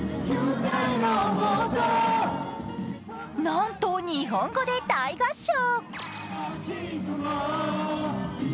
なんと日本語で大合唱。